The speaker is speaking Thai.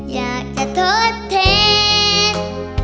อยากจะโทษเท้น